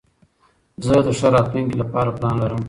زه د ښه راتلونکي له پاره پلان لرم.